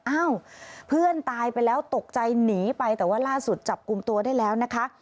เอ้าเพื่อนตายไปแล้วตกใจหนีไปแต่ว่าล่าสุดจับกลุ่มตัวได้แล้วนะคะ